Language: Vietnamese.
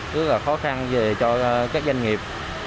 rất là khó khăn về cho các doanh nghiệp